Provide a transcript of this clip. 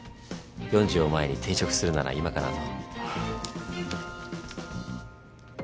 ４０を前に転職するなら今かなと。